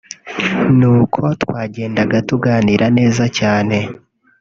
ni uko twagedaga tuganira neza cyane